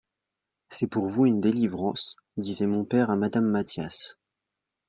C'est pour vous une delivrance, disait mon pere a Madame Mathias.